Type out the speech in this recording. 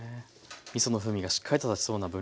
みその風味がしっかりと立ちそうな分量ですね。